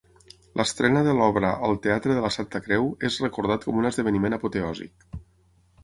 L'estrena de l'obra al Teatre de la Santa Creu és recordat com un esdeveniment apoteòsic.